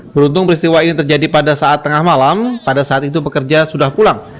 beruntung peristiwa ini terjadi pada saat tengah malam pada saat itu pekerja sudah pulang